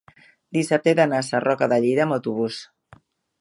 dissabte he d'anar a Sarroca de Lleida amb autobús.